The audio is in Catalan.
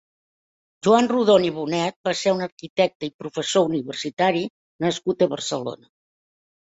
Joan Rodon i Bonet va ser un arquitecte i professor universitari nascut a Barcelona.